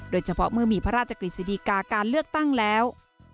โดยเฉพาะเมื่อมีพระราชกฤษฎีกาการเลือกตั้งแล้ว